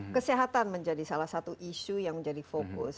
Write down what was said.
kesehatan menjadi salah satu isu yang menjadi fokus